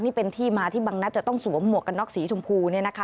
นี่เป็นที่มาที่บางนัดจะต้องสวมหมวกกันน็อกสีชมพู